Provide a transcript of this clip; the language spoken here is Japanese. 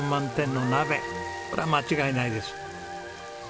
こりゃ間違いないです。